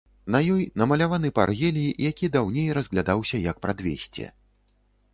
На ёй намаляваны паргелій, які даўней разглядаўся як прадвесце.